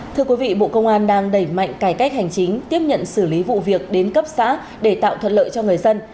thưa quý vị bộ công an đang đẩy mạnh cải cách hành chính tiếp nhận xử lý vụ việc đến cấp xã để tạo thuận lợi cho người dân